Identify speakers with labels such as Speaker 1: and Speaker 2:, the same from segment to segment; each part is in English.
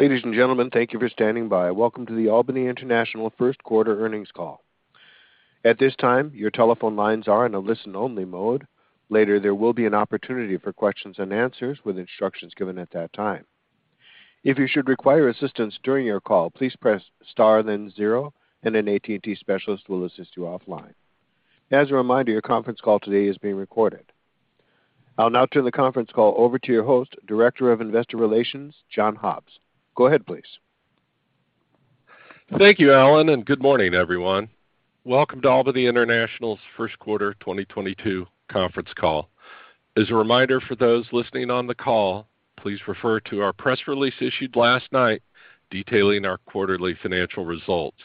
Speaker 1: Ladies and gentlemen, thank you for standing by. Welcome to the Albany International Q1 earnings call. At this time, your telephone lines are in a listen-only mode. Later, there will be an opportunity for questions and answers with instructions given at that time. If you should require assistance during your call, please press Star then zero, and an AT&T specialist will assist you offline. As a reminder, your conference call today is being recorded. I'll now turn the conference call over to your host, Director of Investor Relations, John Hobbs. Go ahead, please.
Speaker 2: Thank you, Alan, and good morning, everyone. Welcome to Albany International's Q1 2022 conference call. As a reminder for those listening on the call, please refer to our press release issued last night detailing our quarterly financial results.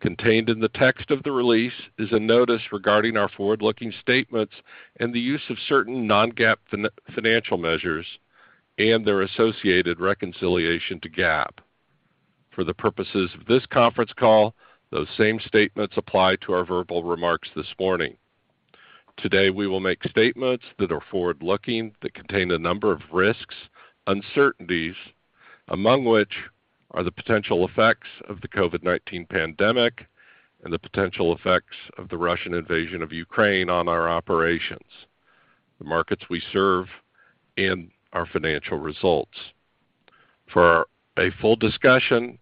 Speaker 2: Contained in the text of the release is a notice regarding our forward-looking statements and the use of certain non-GAAP financial measures and their associated reconciliation to GAAP. For the purposes of this conference call, those same statements apply to our verbal remarks this morning. Today, we will make statements that are forward-looking that contain a number of risks, uncertainties, among which are the potential effects of the COVID-19 pandemic and the potential effects of the Russian invasion of Ukraine on our operations, the markets we serve, and our financial results. For a full discussion,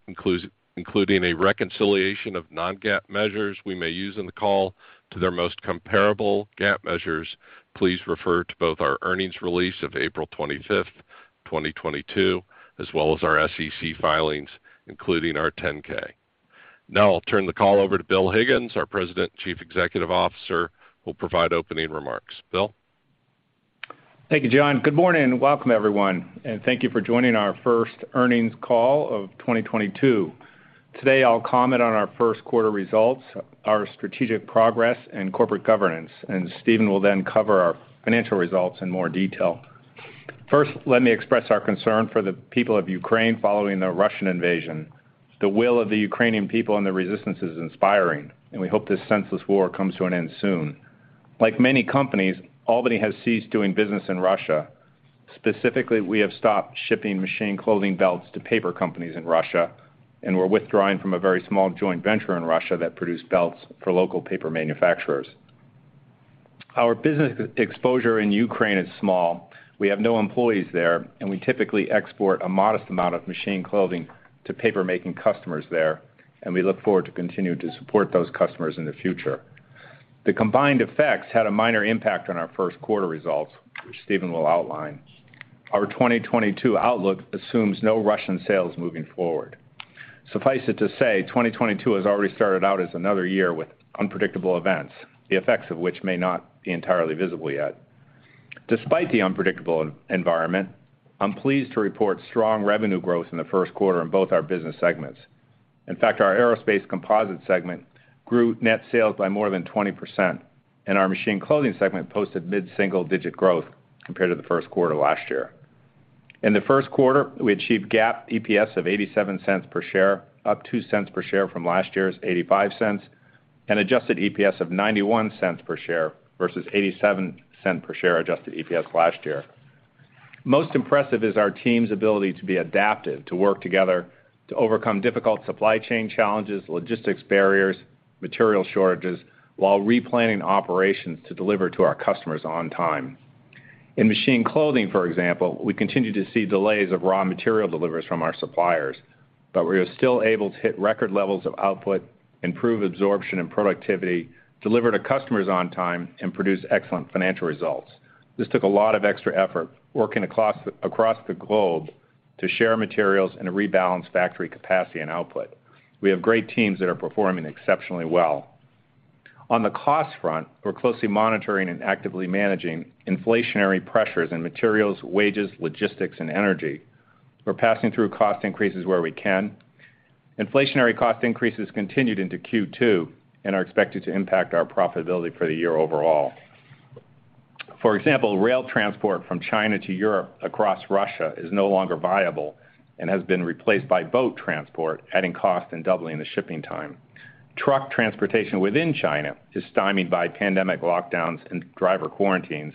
Speaker 2: including a reconciliation of non-GAAP measures we may use in the call to their most comparable GAAP measures, please refer to both our earnings release of April 25, 2022, as well as our SEC filings, including our 10-K. Now I'll turn the call over to Bill Higgins, our President and Chief Executive Officer, who will provide opening remarks. Bill.
Speaker 3: Thank you, John. Good morning and welcome, everyone. Thank you for joining our first earnings call of 2022. Today, I'll comment on our Q1 results, our strategic progress and corporate governance, and Stephen will then cover our financial results in more detail. First, let me express our concern for the people of Ukraine following the Russian invasion. The will of the Ukrainian people and the resistance is inspiring, and we hope this senseless war comes to an end soon. Like many companies, Albany has ceased doing business in Russia. Specifically, we have stopped shipping Machine Clothing belts to paper companies in Russia, and we're withdrawing from a very small joint venture in Russia that produced belts for local paper manufacturers. Our business exposure in Ukraine is small. We have no employees there, and we typically export a modest amount of Machine Clothing to paper-making customers there, and we look forward to continue to support those customers in the future. The combined effects had a minor impact on our Q1 results, which Stephen will outline. Our 2022 outlook assumes no Russian sales moving forward. Suffice it to say, 2022 has already started out as another year with unpredictable events, the effects of which may not be entirely visible yet. Despite the unpredictable environment, I'm pleased to report strong revenue growth in the Q1 in both our business segments. In fact, our Aerospace Composites segment grew net sales by more than 20%, and our Machine Clothing segment posted mid-single-digit growth compared to the Q1 last year. In the Q1, we achieved GAAP EPS of $0.87 per share, up $0.02 per share from last year's $0.85, and adjusted EPS of $0.91 per share versus $0.87 per share adjusted EPS last year. Most impressive is our team's ability to be adaptive, to work together to overcome difficult supply chain challenges, logistics barriers, material shortages, while replanning operations to deliver to our customers on time. In Machine Clothing, for example, we continue to see delays of raw material deliveries from our suppliers, but we are still able to hit record levels of output, improve absorption and productivity, deliver to customers on time, and produce excellent financial results. This took a lot of extra effort, working across the globe to share materials and to rebalance factory capacity and output. We have great teams that are performing exceptionally well. On the cost front, we're closely monitoring and actively managing inflationary pressures in materials, wages, logistics, and energy. We're passing through cost increases where we can. Inflationary cost increases continued into Q2 and are expected to impact our profitability for the year overall. For example, rail transport from China to Europe across Russia is no longer viable and has been replaced by boat transport, adding cost and doubling the shipping time. Truck transportation within China is stymied by pandemic lockdowns and driver quarantines,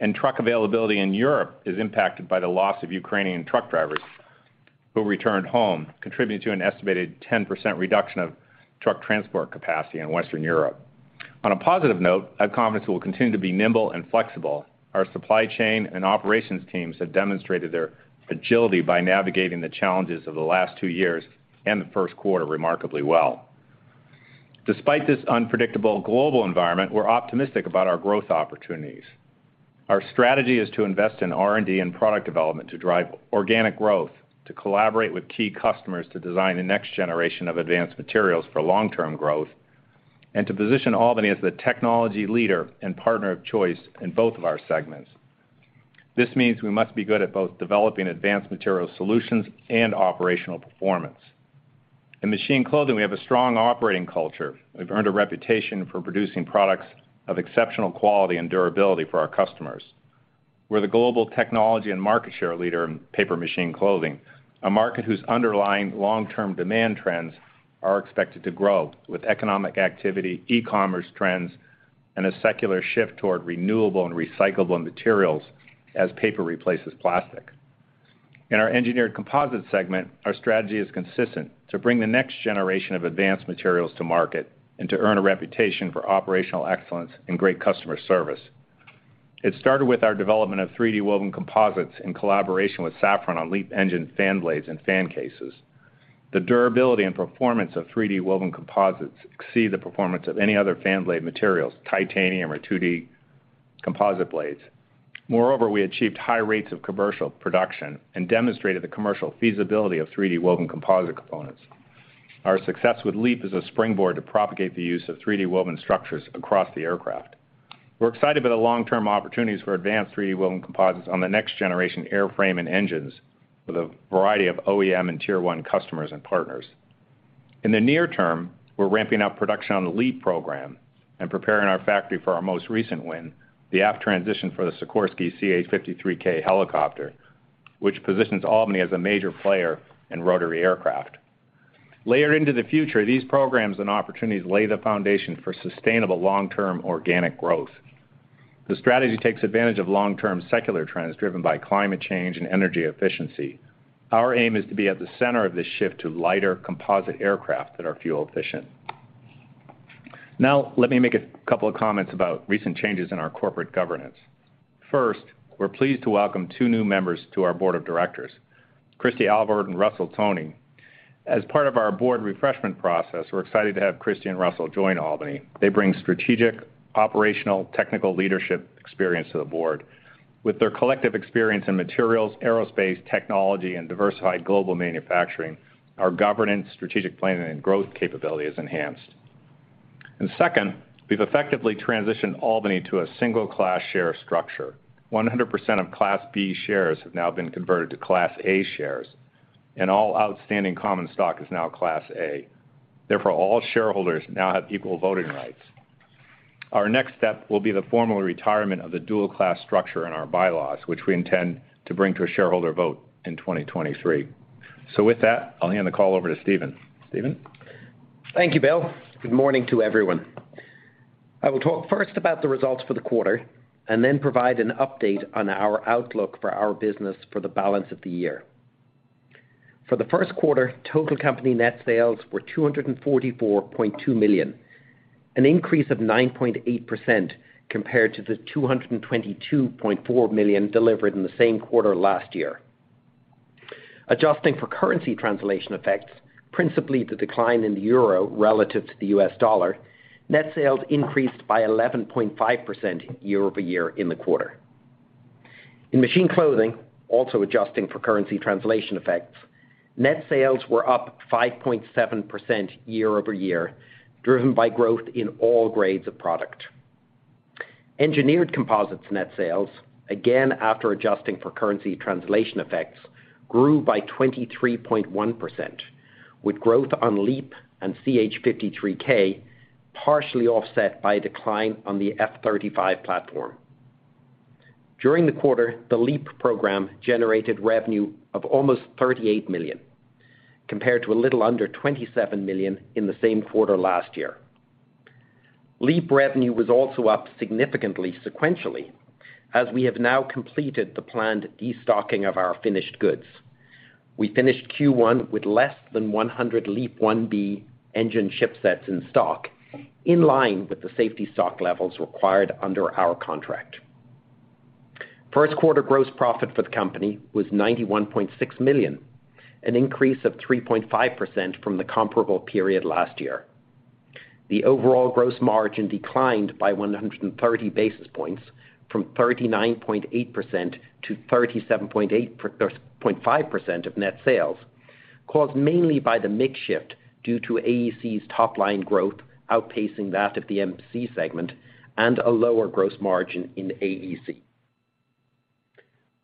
Speaker 3: and truck availability in Europe is impacted by the loss of Ukrainian truck drivers who returned home, contributing to an estimated 10% reduction of truck transport capacity in Western Europe. On a positive note, I'm confident we'll continue to be nimble and flexible. Our supply chain and operations teams have demonstrated their agility by navigating the challenges of the last two years and the Q1 remarkably well. Despite this unpredictable global environment, we're optimistic about our growth opportunities. Our strategy is to invest in R&D and product development to drive organic growth, to collaborate with key customers to design the next generation of advanced materials for long-term growth, and to position Albany as the technology leader and partner of choice in both of our segments. This means we must be good at both developing advanced material solutions and operational performance. In Machine Clothing, we have a strong operating culture. We've earned a reputation for producing products of exceptional quality and durability for our customers. We're the global technology and market share leader in Machine Clothing, a market whose underlying long-term demand trends are expected to grow with economic activity, e-commerce trends. A secular shift toward renewable and recyclable materials as paper replaces plastic. In our Engineered Composites segment, our strategy is consistent to bring the next generation of advanced materials to market and to earn a reputation for operational excellence and great customer service. It started with our development of 3D woven composites in collaboration with Safran on LEAP engine fan blades and fan cases. The durability and performance of 3D woven composites exceed the performance of any other fan blade materials, titanium or 2D composite blades. Moreover, we achieved high rates of commercial production and demonstrated the commercial feasibility of 3D woven composite components. Our success with LEAP is a springboard to propagate the use of 3D woven structures across the aircraft. We're excited about the long-term opportunities for advanced 3D woven composites on the next generation airframe and engines with a variety of OEM and tier one customers and partners. In the near term, we're ramping up production on the LEAP program and preparing our factory for our most recent win, the aft transition for the Sikorsky CH-53K helicopter, which positions Albany as a major player in rotary aircraft. Layered into the future, these programs and opportunities lay the foundation for sustainable long-term organic growth. The strategy takes advantage of long-term secular trends driven by climate change and energy efficiency. Our aim is to be at the center of this shift to lighter composite aircraft that are fuel efficient. Now, let me make a couple of comments about recent changes in our corporate governance. First, we're pleased to welcome two new members to our board of directors, Christina Alvord and Russell Toney. As part of our board refreshment process, we're excited to have Christy and Russell join Albany. They bring strategic, operational, technical leadership experience to the board. With their collective experience in materials, aerospace, technology, and diversified global manufacturing, our governance, strategic planning, and growth capability is enhanced. Second, we've effectively transitioned Albany to a single class share structure. 100% of Class B shares have now been converted to Class A shares, and all outstanding common stock is now Class A. Therefore, all shareholders now have equal voting rights. Our next step will be the formal retirement of the dual class structure in our bylaws, which we intend to bring to a shareholder vote in 2023. With that, I'll hand the call over to Stephen. Stephen?
Speaker 4: Thank you, Bill. Good morning to everyone. I will talk first about the results for the quarter, and then provide an update on our outlook for our business for the balance of the year. For the Q1, total company net sales were $244.2 million, an increase of 9.8% compared to the $222.4 million delivered in the same quarter last year. Adjusting for currency translation effects, principally the decline in the euro relative to the U.S. dollar, net sales increased by 11.5% year-over-year in the quarter. In Machine Clothing, also adjusting for currency translation effects, net sales were up 5.7% year-over-year, driven by growth in all grades of product. Engineered Composites net sales, again, after adjusting for currency translation effects, grew by 23.1% with growth on LEAP and CH-53K, partially offset by a decline on the F-35 platform. During the quarter, the LEAP program generated revenue of almost $38 million, compared to a little under $27 million in the same quarter last year. LEAP revenue was also up significantly sequentially, as we have now completed the planned destocking of our finished goods. We finished Q1 with less than 100 LEAP-1B engine ship sets in stock, in line with the safety stock levels required under our contract. Q1 gross profit for the company was $91.6 million, an increase of 3.5% from the comparable period last year. The overall gross margin declined by 130 basis points from 39.8% to 37.5% of net sales, caused mainly by the mix shift due to AEC's top line growth outpacing that of the MC segment and a lower gross margin in AEC.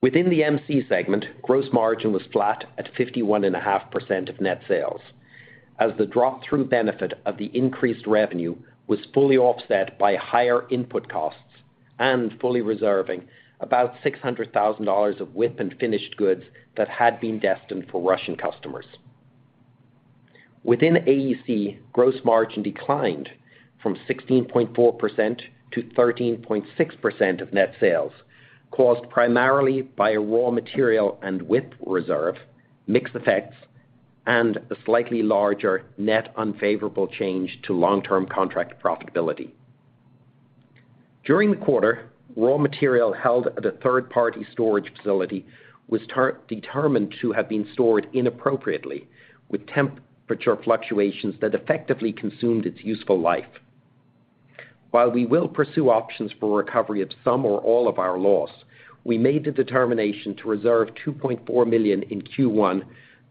Speaker 4: Within the MC segment, gross margin was flat at 51.5% of net sales, as the drop-through benefit of the increased revenue was fully offset by higher input costs and fully reserving about $600,000 of WIP and finished goods that had been destined for Russian customers. Within AEC, gross margin declined from 16.4% to 13.6% of net sales, caused primarily by a raw material and WIP reserve, mix effects, and a slightly larger net unfavorable change to long-term contract profitability. During the quarter, raw material held at a third-party storage facility was determined to have been stored inappropriately with temperature fluctuations that effectively consumed its useful life. While we will pursue options for recovery of some or all of our loss, we made the determination to reserve $2.4 million in Q1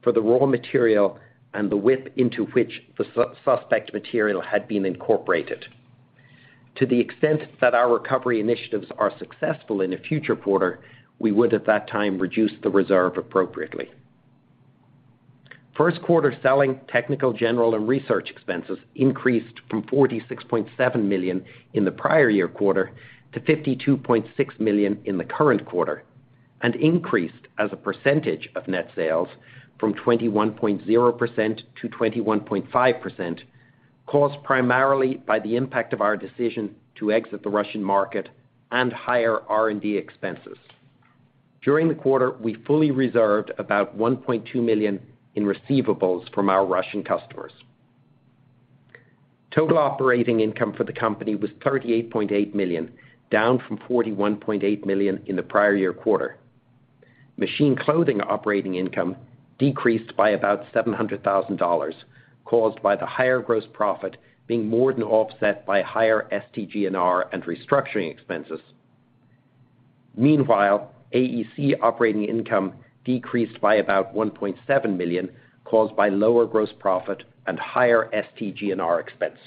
Speaker 4: for the raw material and the WIP into which the suspect material had been incorporated. To the extent that our recovery initiatives are successful in a future quarter, we would at that time reduce the reserve appropriately. Q1 selling, technical, general, and research expenses increased from $46.7 million-$52.6 million in the prior year quarter to the current quarter and increased as a percentage of net sales from 21.0%-21.5%, caused primarily by the impact of our decision to exit the Russian market and higher R&D expenses. During the quarter, we fully reserved about $1.2 million in receivables from our Russian customers. Total operating income for the company was $38.8 million, down from $41.8 million in the prior year quarter. Machine Clothing operating income decreased by about $700,000, caused by the higher gross profit being more than offset by higher STG&R and restructuring expenses. Meanwhile, AEC operating income decreased by about $1.7 million, caused by lower gross profit and higher STG&R expense.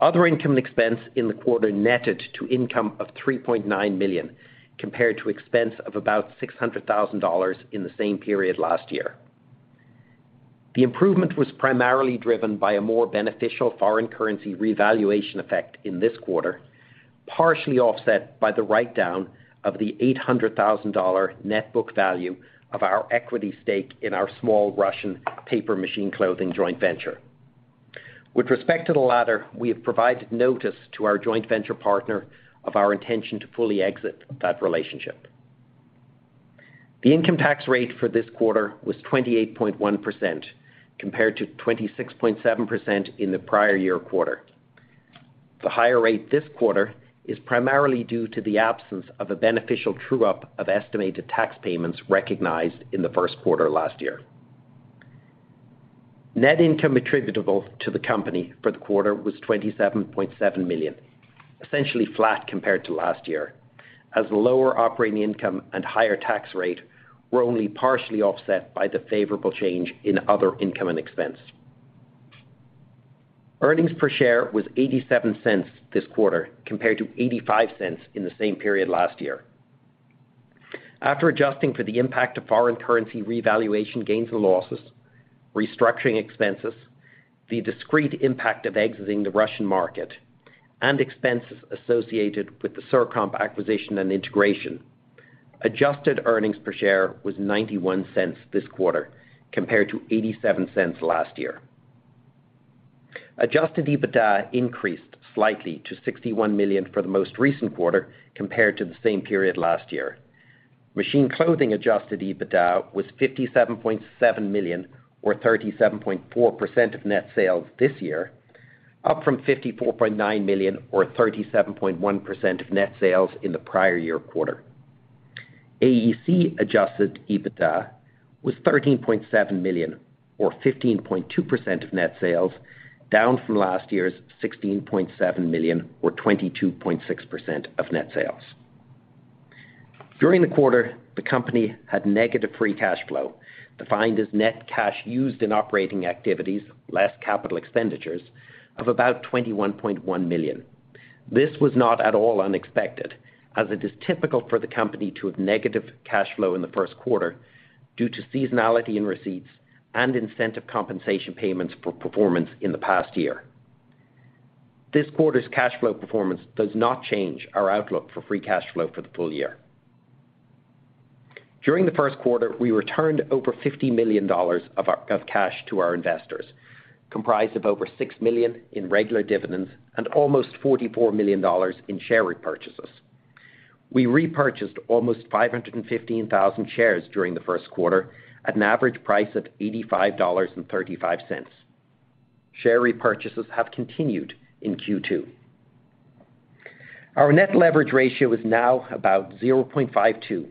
Speaker 4: Other income expense in the quarter netted to income of $3.9 million, compared to expense of about $600,000 in the same period last year. The improvement was primarily driven by a more beneficial foreign currency revaluation effect in this quarter, partially offset by the write-down of the $800,000 net book value of our equity stake in our small Russian paper Machine Clothing joint venture. With respect to the latter, we have provided notice to our joint venture partner of our intention to fully exit that relationship. The income tax rate for this quarter was 28.1%, compared to 26.7% in the prior year quarter. The higher rate this quarter is primarily due to the absence of a beneficial true up of estimated tax payments recognized in the Q1 last year. Net income attributable to the company for the quarter was $27.7 million, essentially flat compared to last year, as lower operating income and higher tax rate were only partially offset by the favorable change in other income and expense. Earnings per share was $0.87 this quarter, compared to $0.85 in the same period last year. After adjusting for the impact of foreign currency revaluation gains and losses, restructuring expenses, the discrete impact of exiting the Russian market, and expenses associated with the Circomp acquisition and integration, adjusted earnings per share was $0.91 this quarter, compared to $0.87 last year. Adjusted EBITDA increased slightly to $61 million for the most recent quarter compared to the same period last year. Machine Clothing adjusted EBITDA was $57.7 million or 37.4% of net sales this year, up from $54.9 million or 37.1% of net sales in the prior year quarter. AEC adjusted EBITDA was $13.7 million or 15.2% of net sales, down from last year's $16.7 million or 22.6% of net sales. During the quarter, the company had negative free cash flow, defined as net cash used in operating activities, less capital expenditures of about $21.1 million. This was not at all unexpected, as it is typical for the company to have negative cash flow in the Q1 due to seasonality in receipts and incentive compensation payments for performance in the past year. This quarter's cash flow performance does not change our outlook for free cash flow for the full year. During the Q1, we returned over $50 million of our cash to our investors, comprised of over $6 million in regular dividends and almost $44 million in share repurchases. We repurchased almost 515,000 shares during the Q1 at an average price of $85.35. Share repurchases have continued in Q2. Our net leverage ratio is now about 0.52,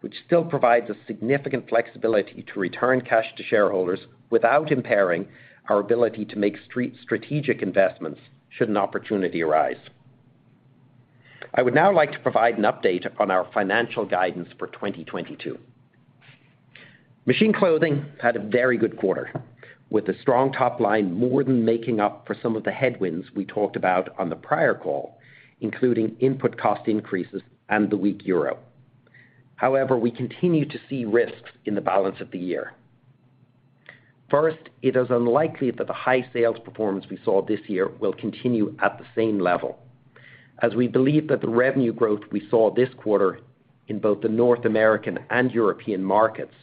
Speaker 4: which still provides a significant flexibility to return cash to shareholders without impairing our ability to make strategic investments should an opportunity arise. I would now like to provide an update on our financial guidance for 2022. Machine Clothing had a very good quarter, with the strong top line more than making up for some of the headwinds we talked about on the prior call, including input cost increases and the weak euro. However, we continue to see risks in the balance of the year. First, it is unlikely that the high sales performance we saw this year will continue at the same level, as we believe that the revenue growth we saw this quarter in both the North American and European markets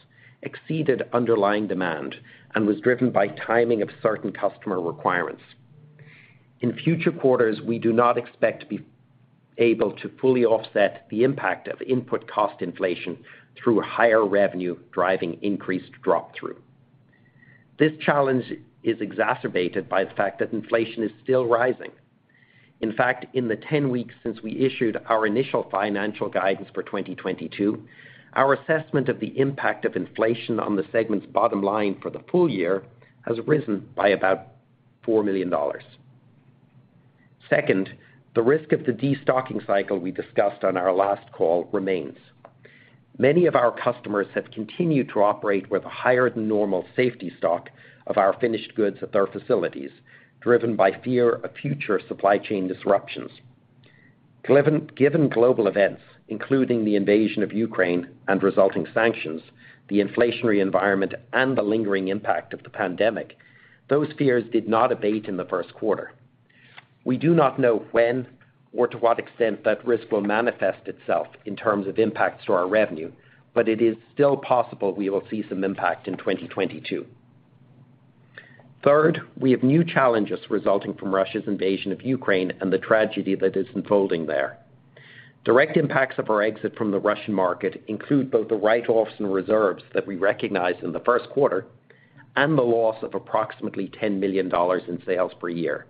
Speaker 4: exceeded underlying demand and was driven by timing of certain customer requirements. In future quarters, we do not expect to be able to fully offset the impact of input cost inflation through higher revenue driving increased drop-through. This challenge is exacerbated by the fact that inflation is still rising. In fact, in the 10 weeks since we issued our initial financial guidance for 2022, our assessment of the impact of inflation on the segment's bottom line for the full year has risen by about $4 million. Second, the risk of the destocking cycle we discussed on our last call remains. Many of our customers have continued to operate with a higher than normal safety stock of our finished goods at their facilities, driven by fear of future supply chain disruptions. Given global events, including the invasion of Ukraine and resulting sanctions, the inflationary environment and the lingering impact of the pandemic, those fears did not abate in the Q1. We do not know when or to what extent that risk will manifest itself in terms of impacts to our revenue, but it is still possible we will see some impact in 2022. Third, we have new challenges resulting from Russia's invasion of Ukraine and the tragedy that is unfolding there. Direct impacts of our exit from the Russian market include both the write-offs and reserves that we recognized in the Q1 and the loss of approximately $10 million in sales per year.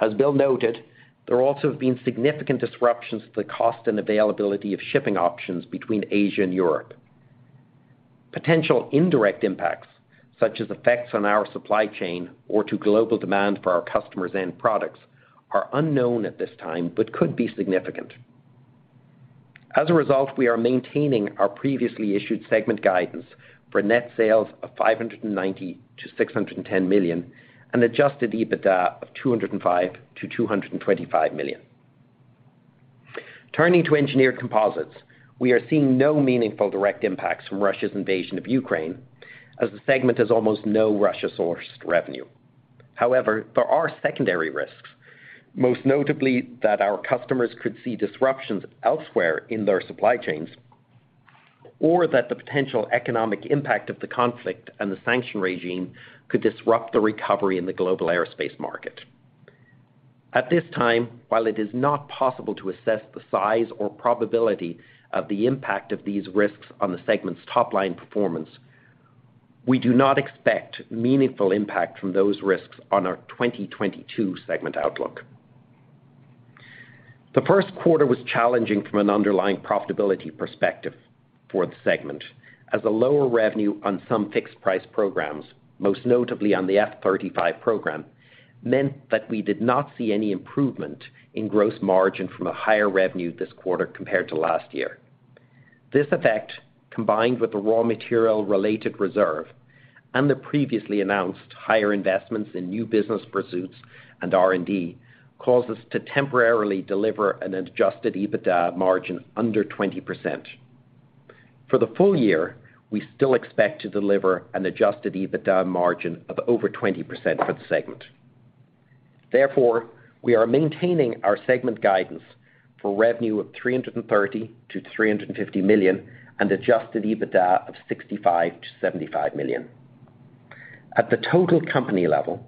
Speaker 4: As Bill noted, there also have been significant disruptions to the cost and availability of shipping options between Asia and Europe. Potential indirect impacts, such as effects on our supply chain or to global demand for our customers' end products, are unknown at this time, but could be significant. As a result, we are maintaining our previously issued segment guidance for net sales of $590 million-$610 million and adjusted EBITDA of $205 million-$225 million. Turning to engineered composites, we are seeing no meaningful direct impacts from Russia's invasion of Ukraine as the segment has almost no Russia-sourced revenue. However, there are secondary risks, most notably that our customers could see disruptions elsewhere in their supply chains or that the potential economic impact of the conflict and the sanction regime could disrupt the recovery in the global aerospace market. At this time, while it is not possible to assess the size or probability of the impact of these risks on the segment's top-line performance, we do not expect meaningful impact from those risks on our 2022 segment outlook. The Q1 was challenging from an underlying profitability perspective for the segment as a lower revenue on some fixed-price programs, most notably on the F-35 program, meant that we did not see any improvement in gross margin from a higher revenue this quarter compared to last year. This effect, combined with the raw material-related reserve and the previously announced higher investments in new business pursuits and R&D, caused us to temporarily deliver an adjusted EBITDA margin under 20%. For the full year, we still expect to deliver an adjusted EBITDA margin of over 20% for the segment. Therefore, we are maintaining our segment guidance for revenue of $330 million-$350 million and adjusted EBITDA of $65 million-$75 million. At the total company level,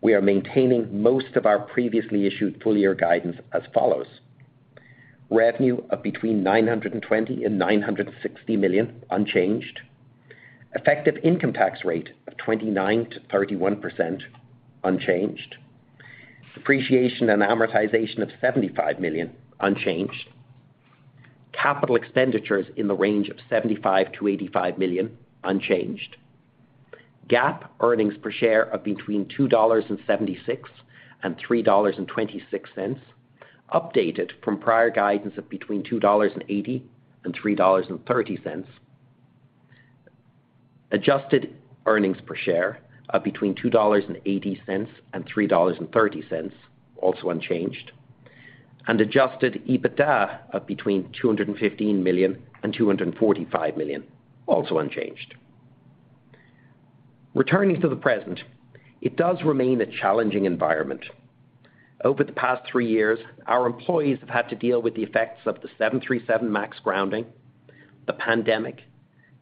Speaker 4: we are maintaining most of our previously issued full-year guidance as follows: revenue of between $920 million and $960 million, unchanged, effective income tax rate of 29%-31%, unchanged, depreciation and amortization of $75 million, unchanged, capital expenditures in the range of $75 million-$85 million, unchanged, GAAP earnings per share of between $2.76 and $3.26, updated from prior guidance of between $2.80 and $3.30. Adjusted earnings per share of between $2.80 and $3.30, also unchanged, and adjusted EBITDA of between $215 million and $245 million, also unchanged. Returning to the present, it does remain a challenging environment. Over the past three years, our employees have had to deal with the effects of the 737 MAX grounding, the pandemic,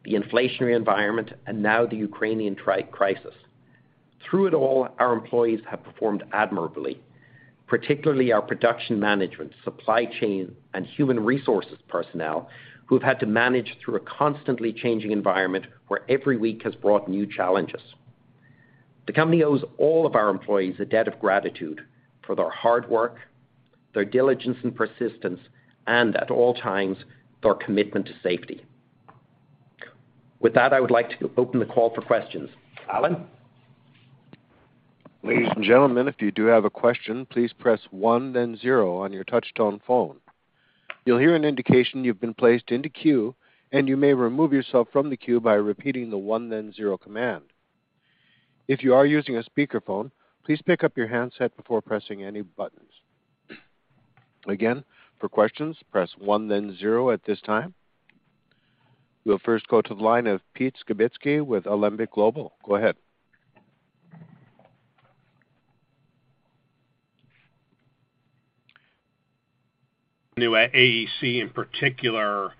Speaker 4: the inflationary environment, and now the Ukraine crisis. Through it all, our employees have performed admirably, particularly our production management, supply chain, and human resources personnel who have had to manage through a constantly changing environment where every week has brought new challenges. The company owes all of our employees a debt of gratitude for their hard work, their diligence and persistence, and at all times, their commitment to safety. With that, I would like to open the call for questions. Alan?
Speaker 1: Ladies and gentlemen, if you do have a question, please press one then zero on your touch-tone phone. You'll hear an indication you've been placed into queue, and you may remove yourself from the queue by repeating the one then zero command. If you are using a speakerphone, please pick up your handset before pressing any buttons. Again, for questions, press one then zero at this time. We'll first go to the line of Pete Skibitski with Alembic Global. Go ahead.
Speaker 5: New at AEC in particular,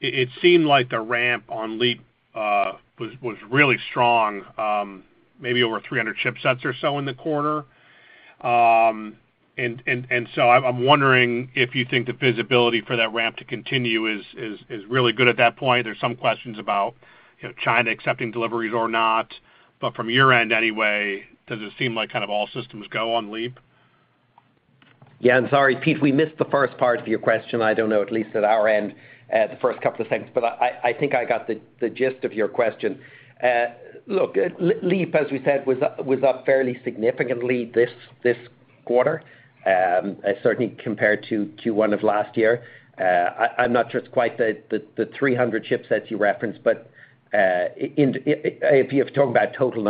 Speaker 5: it seemed like the ramp on LEAP was really strong, maybe over 300 shipsets or so in the quarter. I'm wondering if you think the visibility for that ramp to continue is really good at that point. There's some questions about, you know, China accepting deliveries or not. But from your end anyway, does it seem like kind of all systems go on LEAP?
Speaker 4: Yeah. Sorry, Pete, we missed the first part of your question. I don't know, at least at our end, the first couple of things, but I think I got the gist of your question. Look, LEAP, as we said, was up fairly significantly this quarter, certainly compared to Q1 of last year. I'm not sure it's quite the 300 shipsets you referenced, but if you're talking about total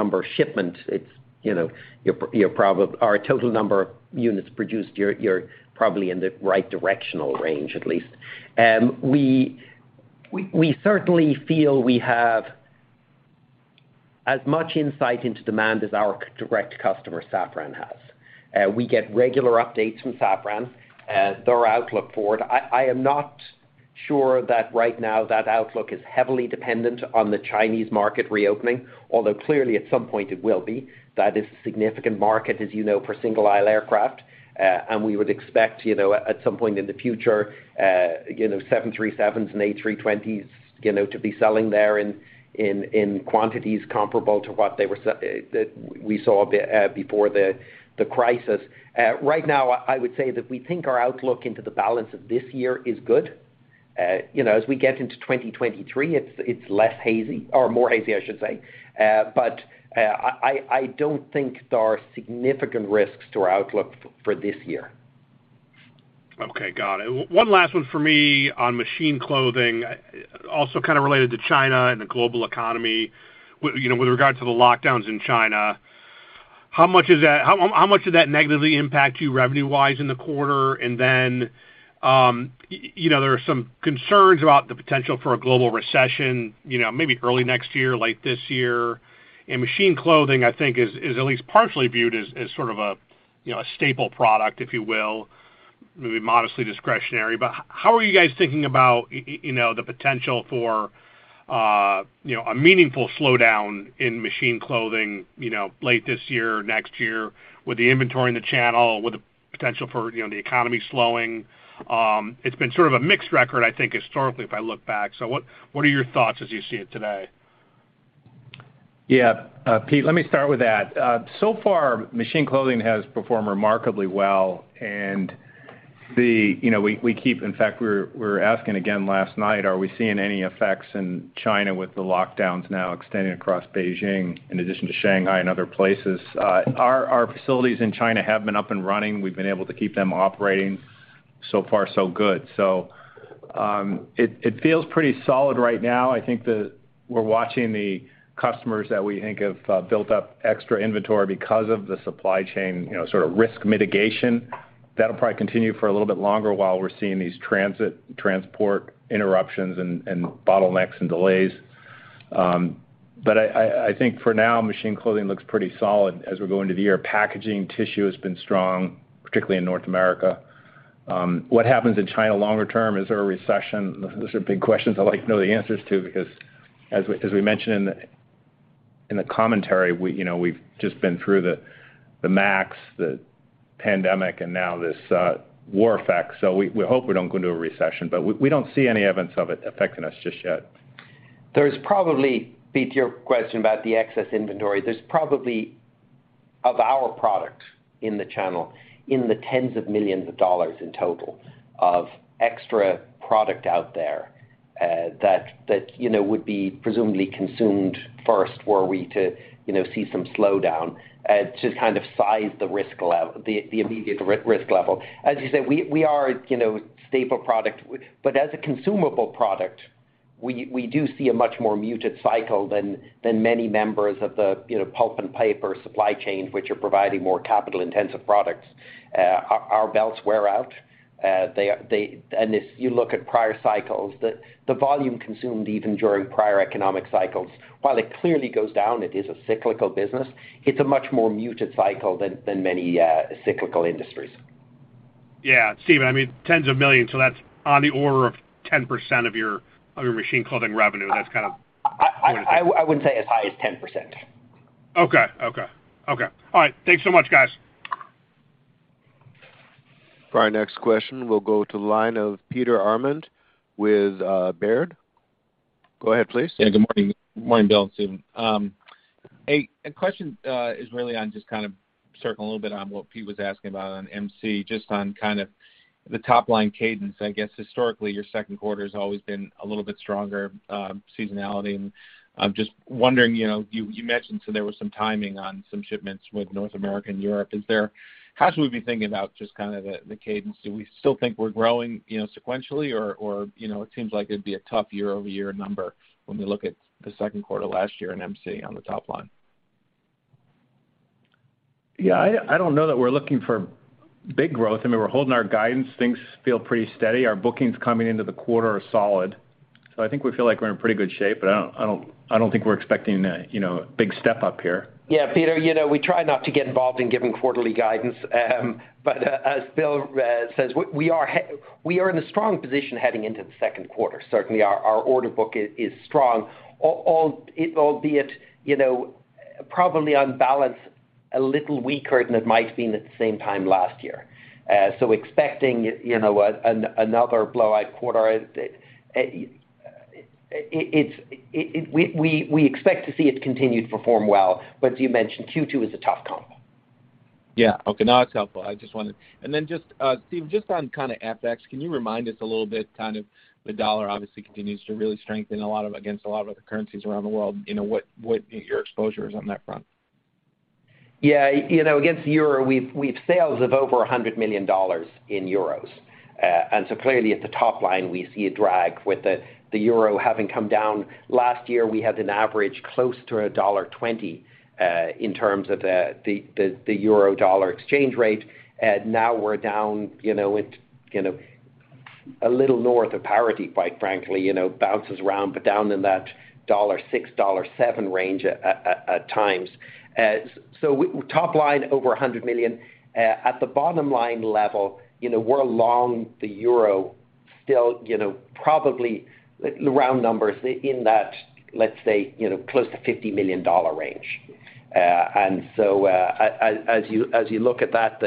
Speaker 4: number of shipments, it's, you know, you're probably or total number of units produced, you're probably in the right directional range at least. We certainly feel we have as much insight into demand as our direct customer Safran has. We get regular updates from Safran. Their outlook for it. I am not sure that right now that outlook is heavily dependent on the Chinese market reopening, although clearly at some point it will be. That is a significant market, as you know, for single aisle aircraft. We would expect, you know, at some point in the future, you know, 737s and A320s, you know, to be selling there in quantities comparable to what we saw before the crisis. Right now I would say that we think our outlook into the balance of this year is good. You know, as we get into 2023, it's less hazy or more hazy, I should say. I don't think there are significant risks to our outlook for this year.
Speaker 5: Okay. Got it. One last one for me on Machine Clothing, also kind of related to China and the global economy. You know, with regard to the lockdowns in China, how much did that negatively impact your revenue wise in the quarter? Then, you know, there are some concerns about the potential for a global recession, you know, maybe early next year, late this year. Machine Clothing, I think is at least partially viewed as sort of a, you know, a staple product, if you will, maybe modestly discretionary. But how are you guys thinking about, you know, the potential for, you know, a meaningful slowdown in Machine Clothing, you know, late this year or next year with the inventory in the channel, with the potential for, you know, the economy slowing? It's been sort of a mixed record, I think, historically, if I look back. What are your thoughts as you see it today?
Speaker 3: Yeah. Pete, let me start with that. So far Machine Clothing has performed remarkably well. In fact, we were asking again last night, are we seeing any effects in China with the lockdowns now extending across Beijing in addition to Shanghai and other places? Our facilities in China have been up and running. We've been able to keep them operating. So far so good. It feels pretty solid right now. I think we're watching the customers that we think have built up extra inventory because of the supply chain sort of risk mitigation. That'll probably continue for a little bit longer while we're seeing these transit transport interruptions and bottlenecks and delays. I think for now, Machine Clothing looks pretty solid as we go into the year. Packaging tissue has been strong, particularly in North America. What happens in China longer term? Is there a recession? Those are big questions I'd like to know the answers to because as we mentioned in the commentary, you know, we've just been through the MAX, the pandemic, and now this war effect. We hope we don't go into a recession, but we don't see any evidence of it affecting us just yet.
Speaker 4: There's probably, Pete, to your question about the excess inventory, of our product in the channel in the $ tens of millions in total of extra product out there, that you know would be presumably consumed first were we to you know see some slowdown to kind of size the immediate risk level. As you said, we are you know a staple product. But as a consumable product, we do see a much more muted cycle than many members of the you know pulp and paper supply chain, which are providing more capital-intensive products. Our belts wear out. If you look at prior cycles, the volume consumed even during prior economic cycles, while it clearly goes down, it is a cyclical business. It's a much more muted cycle than many cyclical industries.
Speaker 5: Yeah. Stephen, I mean, $10s of millions, so that's on the order of 10% of your Machine Clothing revenue. That's kind of what it is.
Speaker 4: I wouldn't say as high as 10%.
Speaker 5: Okay. All right. Thanks so much, guys.
Speaker 1: For our next question, we'll go to the line of Peter Arment with Baird. Go ahead, please.
Speaker 6: Yeah, good morning. Morning, Bill and Stephen. Hey, the question is really on just kind of circling a little bit on what Pete was asking about on MC, just on kind of the top line cadence. I guess historically, your Q2 has always been a little bit stronger, seasonality. I'm just wondering, you know, you mentioned so there was some timing on some shipments with North America and Europe. How should we be thinking about just kind of the cadence? Do we still think we're growing, you know, sequentially or, you know, it seems like it'd be a tough year-over-year number when we look at the Q2 last year in MC on the top line.
Speaker 3: Yeah, I don't know that we're looking for big growth. I mean, we're holding our guidance. Things feel pretty steady. Our bookings coming into the quarter are solid, so I think we feel like we're in pretty good shape. But I don't think we're expecting a you know, big step up here.
Speaker 4: Yeah, Peter, you know, we try not to get involved in giving quarterly guidance. As Bill says, we are in a strong position heading into the Q2. Certainly, our order book is strong, albeit, you know, probably on balance a little weaker than it might have been at the same time last year, expecting, you know, another blowout quarter, we expect to see it continue to perform well. As you mentioned, Q2 is a tough comp.
Speaker 6: That's helpful. I just wanted. Then just, Stephen, just on kinda FX, can you remind us a little bit, kind of the dollar obviously continues to really strengthen a lot against a lot of other currencies around the world. You know, what your exposure is on that front?
Speaker 4: Yeah. You know, against the euro, we've sales of over $100 million in euros. Clearly at the top line, we see a drag with the euro having come down. Last year, we had an average close to $1.20 in terms of the euro dollar exchange rate. Now we're down, you know, it you know.
Speaker 3: A little north of parity, quite frankly, you know, bounces around, but down in that 1.06 dollar, 1.07 dollar range at times. Top line over 100 million. At the bottom line level, you know, we're long the euro still, you know, probably round numbers in that, let's say, you know, close to $50 million range. As you look at that,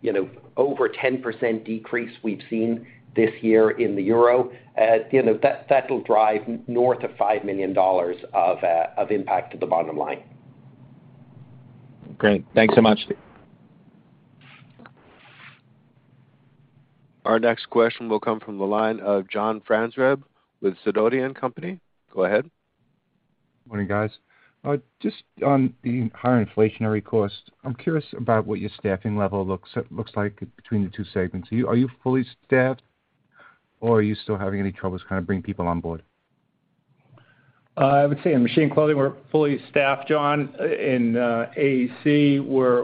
Speaker 3: you know, over 10% decrease we've seen this year in the euro, you know, that'll drive north of $5 million of impact to the bottom line.
Speaker 6: Great. Thanks so much.
Speaker 1: Our next question will come from the line of John Franzreb with Sidoti & Company. Go ahead.
Speaker 7: Morning, guys. Just on the higher inflationary cost, I'm curious about what your staffing level looks like between the two segments. Are you fully staffed, or are you still having any troubles kind of bringing people on board?
Speaker 3: I would say in Machine Clothing we're fully staffed, John. In AEC, we're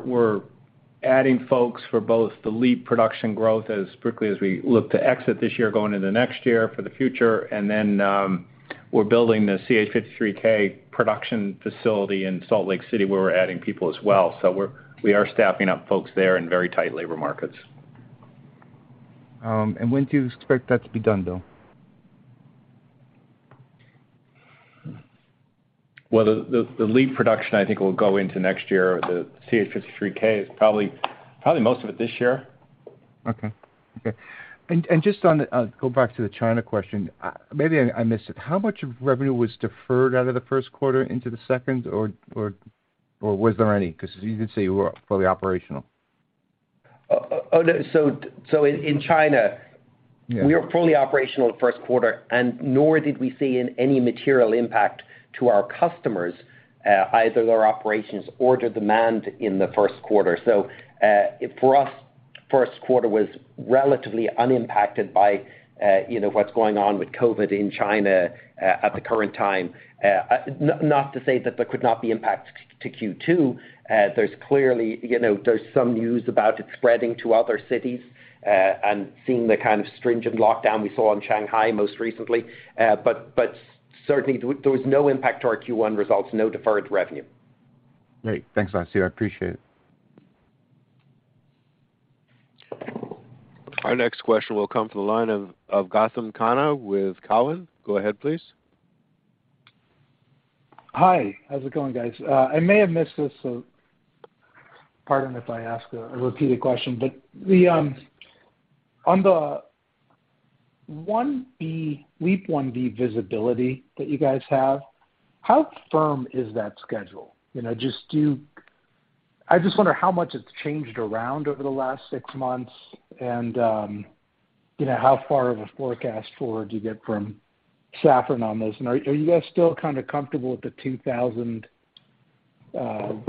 Speaker 3: adding folks for both the LEAP production growth as quickly as we look to exit this year, going into next year for the future. We're building the CH-53K production facility in Salt Lake City, where we're adding people as well. We're staffing up folks there in very tight labor markets.
Speaker 7: When do you expect that to be done, though?
Speaker 3: Well, the LEAP production I think will go into next year. The CH-53K is probably most of it this year.
Speaker 7: Just on the China question. Maybe I missed it. How much of revenue was deferred out of the Q1 into the second, or was there any? 'Cause as you did say, you were fully operational.
Speaker 3: No. So, so in, in China.
Speaker 7: Yeah.
Speaker 3: We were fully operational in the Q1, and nor did we see any material impact to our customers, either their operations or the demand in the Q1. For us, Q1 was relatively unimpacted by, you know, what's going on with COVID in China at the current time. Not to say that there could not be impacts to Q2. There's clearly, you know, there's some news about it spreading to other cities, and seeing the kind of stringent lockdown we saw in Shanghai most recently. But certainly there was no impact to our Q1 results, no deferred revenue.
Speaker 7: Great. Thanks, Sir. I appreciate it.
Speaker 1: Our next question will come to the line of Gautam Khanna with Cowen. Go ahead, please.
Speaker 8: Hi. How's it going, guys? I may have missed this, so pardon if I ask a repeated question. On the LEAP-1B visibility that you guys have, how firm is that schedule? You know, I just wonder how much it's changed around over the last six months and, you know, how far of a forecast forward do you get from Safran on this? Are you guys still kind of comfortable with the 2,000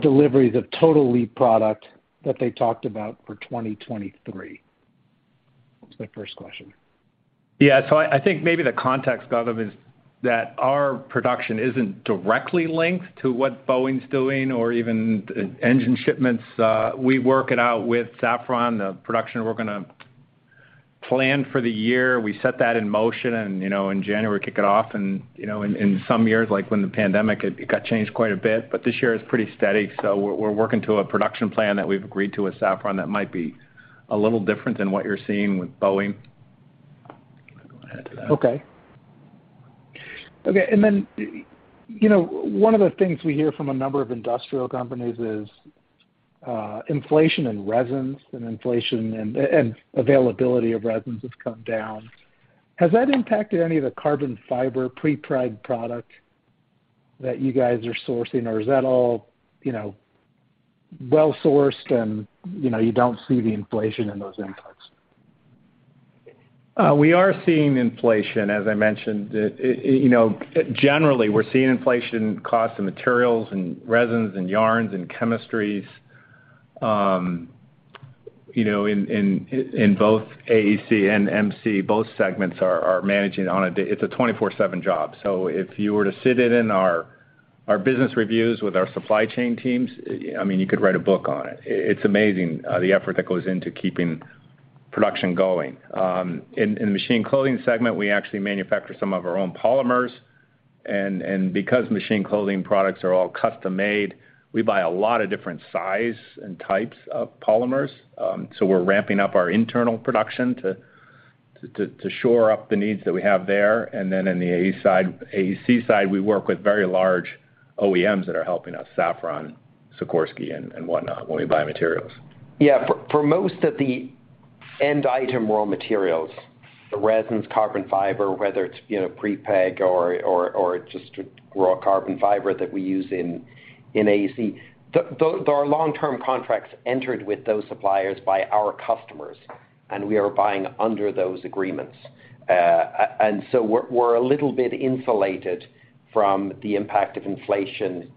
Speaker 8: deliveries of total LEAP product that they talked about for 2023? That's my first question.
Speaker 3: Yeah. I think maybe the context, Gautam, is that our production isn't directly linked to what Boeing's doing or even engine shipments. We work it out with Safran, the production we're gonna plan for the year. We set that in motion and, you know, in January, kick it off. You know, in some years, like when the pandemic, it got changed quite a bit, but this year it's pretty steady. We're working to a production plan that we've agreed to with Safran that might be a little different than what you're seeing with Boeing. You can go ahead after that.
Speaker 8: Okay. Then, you know, one of the things we hear from a number of industrial companies is inflation in resins and inflation and availability of resins has come down. Has that impacted any of the carbon fiber prepreg product that you guys are sourcing or is that all, you know, well sourced and, you know, you don't see the inflation in those inputs?
Speaker 3: We are seeing inflation, as I mentioned. You know, generally we're seeing inflation in cost of materials and resins and yarns and chemistries. You know, in both AEC and MC, both segments are managing. It's a 24/7 job. So if you were to sit in our business reviews with our supply chain teams, I mean, you could write a book on it. It's amazing, the effort that goes into keeping production going. In the Machine Clothing segment, we actually manufacture some of our own polymers, and because Machine Clothing products are all custom made, we buy a lot of different size and types of polymers. So we're ramping up our internal production to shore up the needs that we have there. In the AEC side, we work with very large OEMs that are helping us, Safran, Sikorsky and whatnot, when we buy materials.
Speaker 4: Yeah. For most of the end item raw materials, the resins, carbon fiber, whether it's, you know, prepreg or just raw carbon fiber that we use in AEC, there are long-term contracts entered with those suppliers by our customers, and we are buying under those agreements. And so we're a little bit insulated from the impact of inflation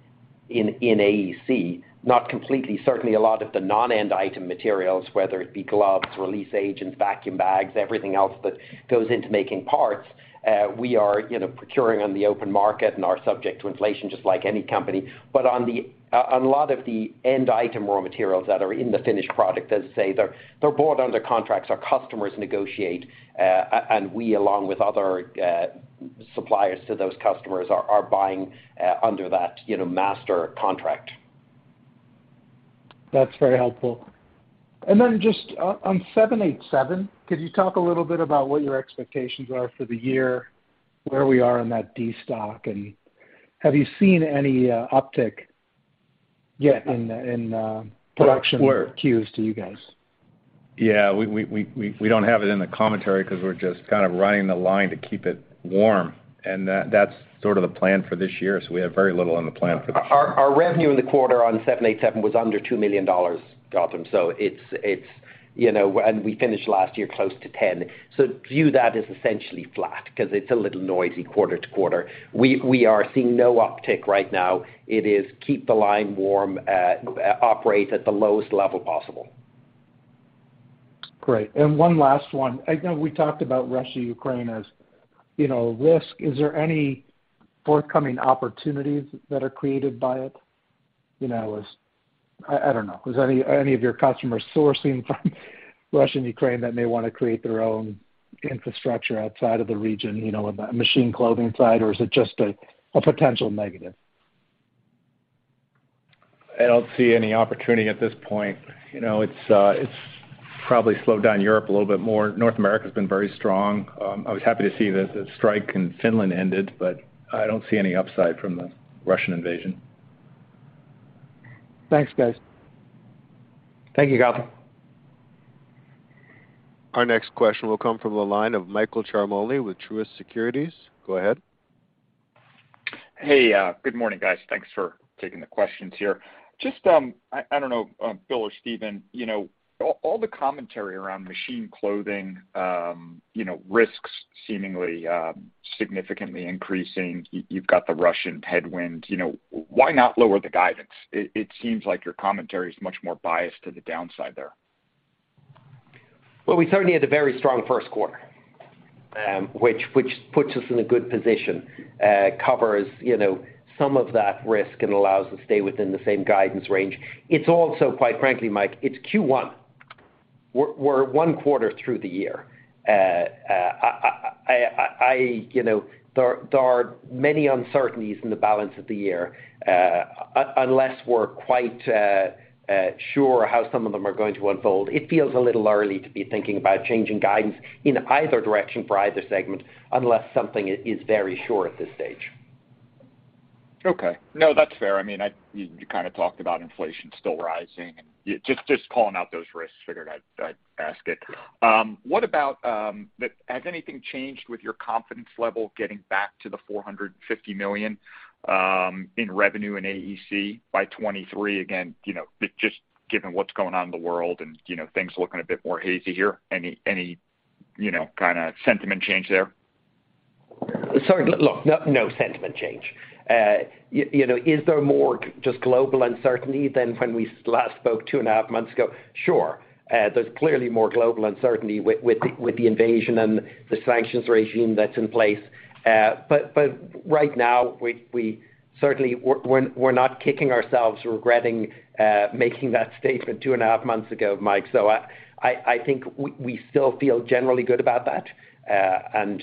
Speaker 4: in AEC. Not completely. Certainly a lot of the non-end item materials, whether it be gloves, release agents, vacuum bags, everything else that goes into making parts, we are, you know, procuring on the open market and are subject to inflation just like any company. On a lot of the end item raw materials that are in the finished product, as I say, they're bought under contracts our customers negotiate. We along with other, you know, suppliers to those customers are buying under that, you know, master contract.
Speaker 8: That's very helpful. Just on 787, could you talk a little bit about what your expectations are for the year, where we are in that destock, and have you seen any uptick yet in the production queues to you guys?
Speaker 3: Yeah. We don't have it in the commentary 'cause we're just kind of running the line to keep it warm, and that's sort of the plan for this year. We have very little in the plan for this year.
Speaker 4: Our revenue in the quarter on 787 was under $2 million, Gautam. It's, you know. We finished last year close to $10 million. View that as essentially flat because it's a little noisy quarter to quarter. We are seeing no uptick right now. It is keep the line warm, operate at the lowest level possible.
Speaker 8: Great. One last one. I know we talked about Russia-Ukraine as, you know, risk. Is there any forthcoming opportunities that are created by it? You know, I don't know. Is any of your customers sourcing from Russian Ukraine that may wanna create their own infrastructure outside of the region, you know, on the Machine Clothing side, or is it just a potential negative?
Speaker 3: I don't see any opportunity at this point. You know, it's probably slowed down Europe a little bit more. North America's been very strong. I was happy to see the strike in Finland ended, but I don't see any upside from the Russian invasion.
Speaker 8: Thanks, guys.
Speaker 4: Thank you, Gautam.
Speaker 1: Our next question will come from the line of Michael Ciarmoli with Truist Securities. Go ahead.
Speaker 9: Hey. Good morning, guys. Thanks for taking the questions here. Just, I don't know, Bill or Stephen, you know, all the commentary around Machine Clothing, you know, risks seemingly significantly increasing. You've got the Russian headwind. You know, why not lower the guidance? It seems like your commentary is much more biased to the downside there.
Speaker 4: Well, we certainly had a very strong Q1, which puts us in a good position, covers, you know, some of that risk and allows us to stay within the same guidance range. It's also, quite frankly, Mike, it's Q1. We're one quarter through the year. I you know, there are many uncertainties in the balance of the year. Unless we're quite sure how some of them are going to unfold, it feels a little early to be thinking about changing guidance in either direction for either segment, unless something is very sure at this stage.
Speaker 9: Okay. No, that's fair. I mean, you kinda talked about inflation still rising and you just calling out those risks. Figured I'd ask it. What about. Has anything changed with your confidence level getting back to the $450 million in revenue in AEC by 2023? Again, you know, just given what's going on in the world and, you know, things looking a bit more hazy here. Any you know kinda sentiment change there?
Speaker 4: Sorry. Look, no sentiment change. You know, is there more just global uncertainty than when we last spoke two and a half months ago? Sure. There's clearly more global uncertainty with the invasion and the sanctions regime that's in place. Right now, we're not kicking ourselves regretting making that statement two and a half months ago, Mike. I think we still feel generally good about that.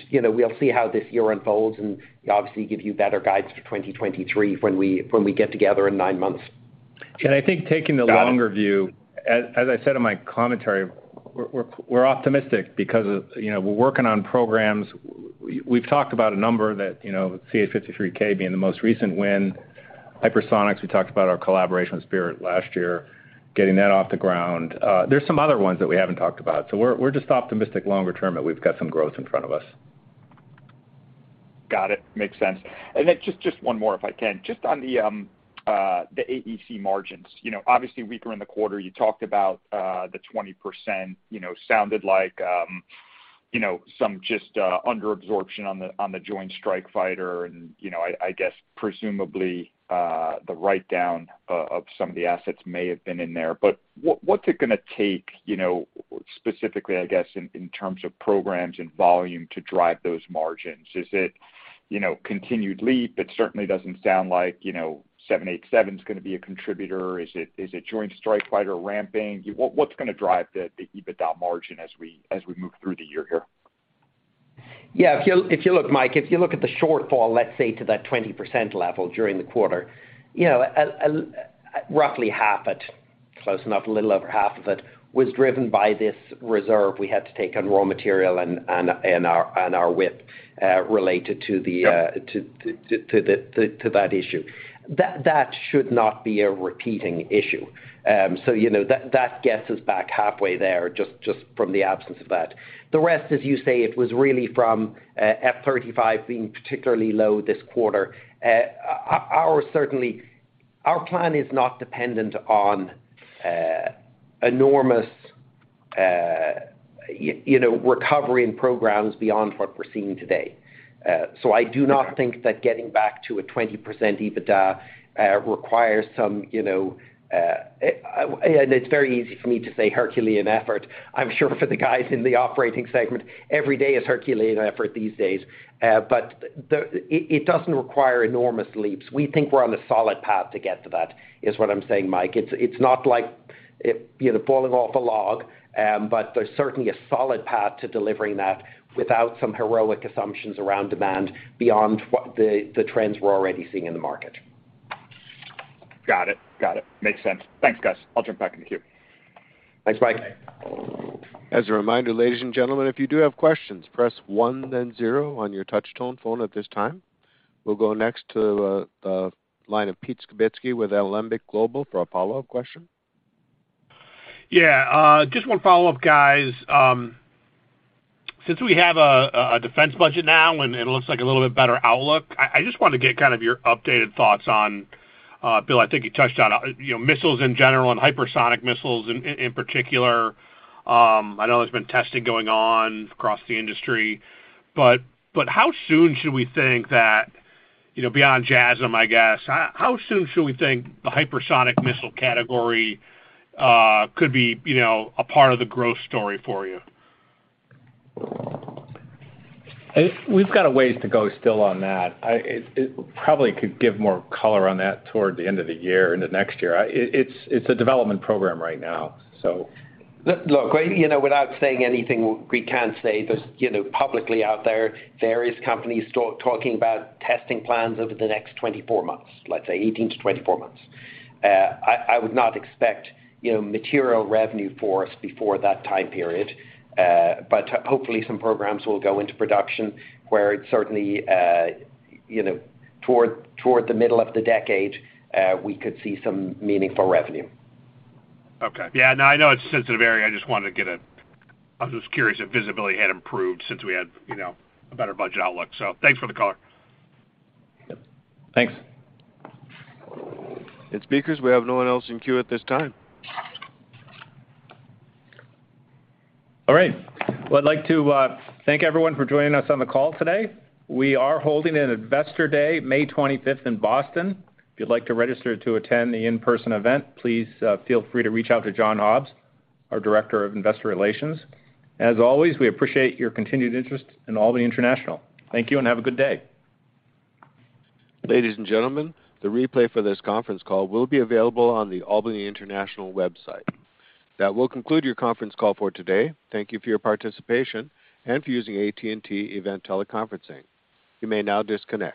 Speaker 4: You know, we'll see how this year unfolds, and we'll obviously give you better guides for 2023 when we get together in nine months.
Speaker 3: I think taking the longer view, as I said in my commentary, we're optimistic because of, you know, we're working on programs. We've talked about a number that, you know, CH-53K being the most recent win. Hypersonics, we talked about our collaboration with Spirit last year, getting that off the ground. There's some other ones that we haven't talked about. We're just optimistic longer term that we've got some growth in front of us.
Speaker 9: Got it. Makes sense. Just one more, if I can. Just on the AEC margins. You know, obviously weaker in the quarter. You talked about the 20%. You know, sounded like you know some just under absorption on the joint strike fighter and, you know, I guess presumably the write down of some of the assets may have been in there. What’s it gonna take, you know, specifically, I guess, in terms of programs and volume to drive those margins? Is it, you know, continued leap? It certainly doesn’t sound like, you know, 787 is gonna be a contributor. Is it joint strike fighter ramping? What’s gonna drive the EBITDA margin as we move through the year here?
Speaker 4: Yeah. If you look, Mike, at the shortfall, let's say, to that 20% level during the quarter, you know, roughly half of it, close enough, a little over half of it was driven by this reserve we had to take on raw material and our WIP, related to the.
Speaker 9: Sure.
Speaker 4: To that issue. That should not be a repeating issue. You know, that gets us back halfway there just from the absence of that. The rest, as you say, it was really from F-35 being particularly low this quarter. Our plan is not dependent on enormous, you know, recovery in programs beyond what we're seeing today. I do not think that getting back to a 20% EBITDA requires some, you know, Herculean effort. It's very easy for me to say Herculean effort. I'm sure for the guys in the operating segment, every day is Herculean effort these days. But it doesn't require enormous leaps. We think we're on a solid path to get to that, is what I'm saying, Mike. It's not like, you know, falling off a log, but there's certainly a solid path to delivering that without some heroic assumptions around demand beyond what the trends we're already seeing in the market.
Speaker 9: Got it. Got it. Makes sense. Thanks, guys. I'll jump back in the queue.
Speaker 3: Thanks, Mike.
Speaker 1: As a reminder, ladies and gentlemen, if you do have questions, press 1 then 0 on your touch tone phone at this time. We'll go next to the line of Pete Skibitski with Alembic Global for a follow-up question.
Speaker 5: Yeah, just one follow-up, guys. Since we have a defense budget now, and it looks like a little bit better outlook, I just wanted to get kind of your updated thoughts on, Bill, I think you touched on, you know, missiles in general and hypersonic missiles in particular. I know there's been testing going on across the industry. How soon should we think that, you know, beyond JASSM, I guess, how soon should we think the hypersonic missile category could be, you know, a part of the growth story for you?
Speaker 3: We've got a ways to go still on that. It probably could give more color on that toward the end of the year into next year. It's a development program right now, so.
Speaker 4: Look, you know, without saying anything we can't say, there's, you know, publicly out there, various companies talking about testing plans over the next 24 months, let's say 18-24 months. I would not expect, you know, material revenue for us before that time period. Hopefully some programs will go into production where it's certainly, you know, toward the middle of the decade, we could see some meaningful revenue.
Speaker 5: Okay. Yeah, no, I know it's a sensitive area. I was just curious if visibility had improved since we had, you know, a better budget outlook. Thanks for the color.
Speaker 3: Yep. Thanks.
Speaker 1: Speakers, we have no one else in queue at this time.
Speaker 3: All right. Well, I'd like to thank everyone for joining us on the call today. We are holding an investor day May twenty-fifth in Boston. If you'd like to register to attend the in-person event, please feel free to reach out to John Hobbs, our Director of Investor Relations. As always, we appreciate your continued interest in Albany International. Thank you, and have a good day.
Speaker 1: Ladies and gentlemen, the replay for this conference call will be available on the Albany International website. That will conclude your conference call for today. Thank you for your participation and for using AT&T Event Teleconferencing. You may now disconnect.